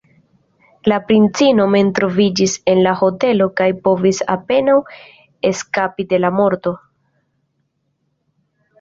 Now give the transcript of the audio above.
La princino mem troviĝis en la hotelo kaj povis apenaŭ eskapi de la morto.